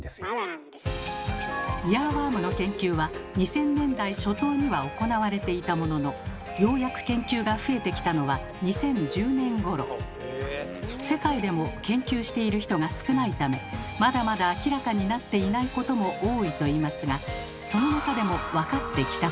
イヤーワームの研究は２０００年代初頭には行われていたもののようやく世界でも研究している人が少ないためまだまだ明らかになっていないことも多いといいますがその中でもわかってきたことが。